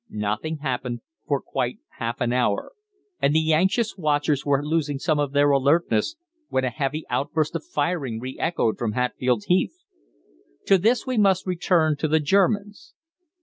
Nothing happened for quite half an hour, and the anxious watchers were losing some of their alertness, when a heavy outburst of firing re echoed from Hatfield Heath. To explain this we must return to the Germans.